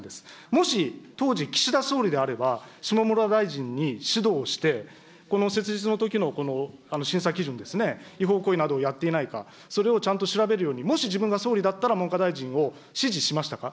もし当時、岸田総理であれば、下村大臣に指導をして、この設立のときの審査基準ですね、違法行為などをやっていないか、それをちゃんと調べるように、もし自分が総理だったら、文科大臣を指示しましたか。